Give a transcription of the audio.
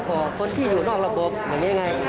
ของคนที่อยู่นอกระบบอย่างนี้ไง